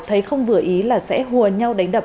thấy không vừa ý là sẽ hùa nhau đánh đập